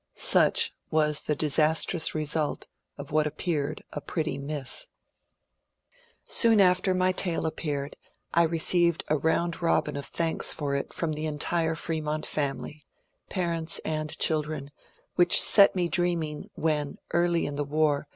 Such was the disastrous result of what appeared a pretty myth. Soon after my tale appeared I received a round robin of thanks for it from the entire Fremont family — parents and children — which set me dreaming when, early in the war.